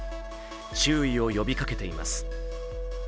注意を呼びかけています。